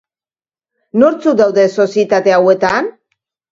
Nortzuk daude sozietate hauetan?